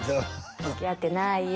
「つきあってないよ」